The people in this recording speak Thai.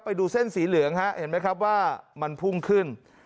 ไปดูเส้นสีเหลืองฮะเห็นไหมครับว่ามันพุ่งขึ้น